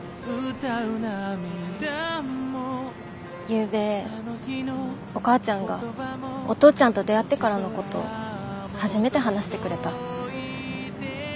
ゆうべお母ちゃんがお父ちゃんと出会ってからのことを初めて話してくれた。